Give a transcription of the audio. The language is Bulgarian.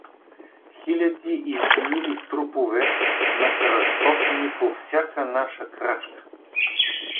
Хиляди изгнили трупове, накръстосани по всяка наша крачка.